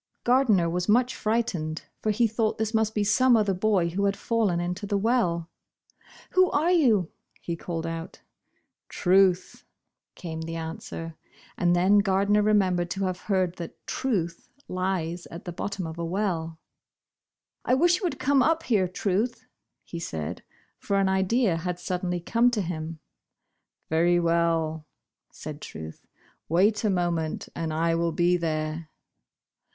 Gardner was much frightened, for he thought this must be some other boy who had fallen into the well. ••A\Tio are you?" he called out. "Truth," came the answer, and then Gardner remembered to have heard that " truth lies at the bottom of a well." " I wish you would come up here. Truth," he said (for an idea had suddenly come to himi. '•\'er}' well," said Truth, wait a moment and I will be there."